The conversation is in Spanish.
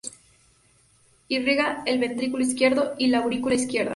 Irriga el ventrículo izquierdo y la aurícula izquierda.